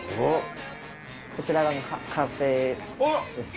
こちらが完成です。